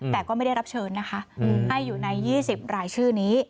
แต่ก็ไม่ได้รับเชิญนะคะให้อยู่ใน๒๐รายชื่อนี้